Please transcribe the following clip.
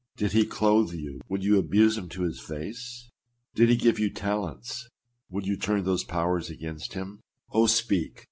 Did he clothe you, would you abuse him to his face ? Did he give you talents, would you turn those powers against him? Oh, speak!